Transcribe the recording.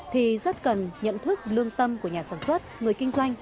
thì rất cần nhận thức lương tâm của nhà sản xuất người kinh doanh